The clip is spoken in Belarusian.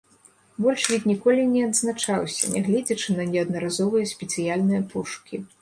Больш від ніколі не адзначаўся, нягледзячы на неаднаразовыя спецыяльныя пошукі.